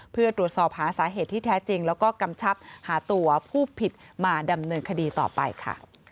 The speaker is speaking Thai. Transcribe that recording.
เพื่อตรวจสอบหาสาเหตุที่แท้จริงแล้วก็กำชับหาตัวผู้ผิดมาดำเนินคดีต่อไปค่ะ